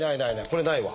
これないわ。